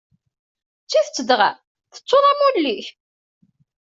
D tidet dɣa, tettuḍ amulli-k?